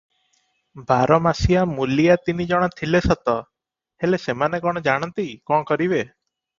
ବାର ମାସିଆ ମୂଲିଆ ତିନି ଜଣ ଥିଲେ ସତ; ହେଲେ ସେମାନେ କଣ ଜାଣନ୍ତି, କଣ କରିବେ?